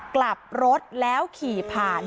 กลับรถแล้วขี่ผ่าน